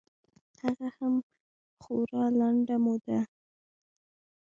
هغه هم خورا لنډه موده.